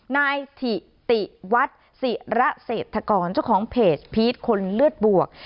นายถิติวัฒน์ศิระเศรษฐกรเจ้าของเพจพีชคนเลือดบวก